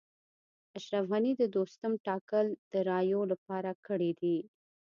اشرف غني د دوستم ټاکل د رایو لپاره کړي دي